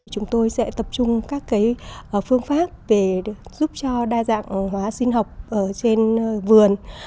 chúng tôi sẽ tập trung các phương pháp giúp cho đa dạng hóa sinh học ở trên vườn